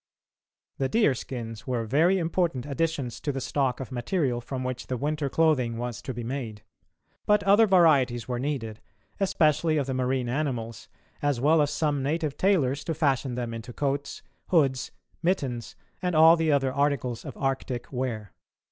The deer skins were very important additions to the stock of material from which the winter clothing was to be made, but other varieties were needed, especially of the marine animals, as well as some native tailors to fashion them into coats, hoods, mittens, and all the other articles of Arctic wear.